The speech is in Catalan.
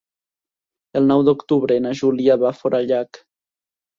El nou d'octubre na Júlia va a Forallac.